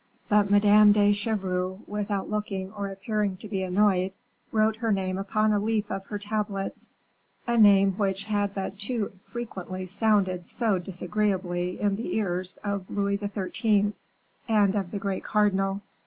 But Madame de Chevreuse, without looking or appearing to be annoyed, wrote her name upon a leaf of her tablets a name which had but too frequently sounded so disagreeably in the ears of Louis XIII. and of the great cardinal.